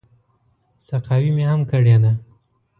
سقاوي مې هم کړې ده.